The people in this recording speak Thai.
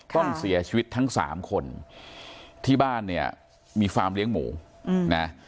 ต้องเสียชีวิตทั้งสามคนที่บ้านเนี่ยมีฟาร์มเลี้ยงหมูนะ